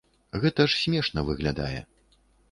Гэта ж смешна выглядае.